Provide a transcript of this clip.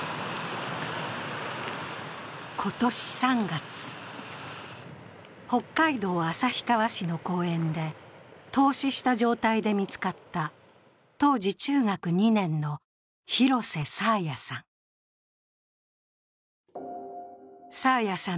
今年３月、北海道旭川市の公園で凍死した状態で見つかった当時中学２年の廣瀬爽彩さん。